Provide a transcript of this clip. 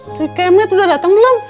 si kmn udah datang belum